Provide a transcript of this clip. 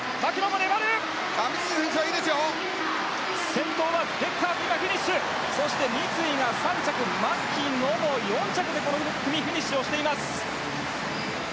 先頭はデッカーズそして三井が３着牧野も４着でこの組、フィニッシュをしています。